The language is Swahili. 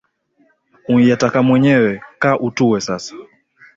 Un'yataka mwenyewe. Kaa utuwe sasa